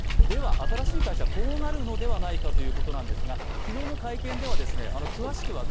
新しい会社はこうなるのではないかということです。